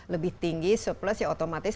lebih tinggi surplus ya otomatis